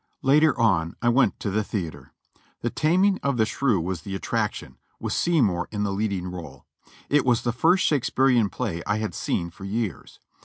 Later on I went to the theatre. "The Taming of the Shrew" was the attraction, with Seymour in the leading role. It was the first Shakespearian play I had seen for years.